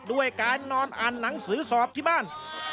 ด้วยการนอนอ่านหนังสือสอบที่บ้าน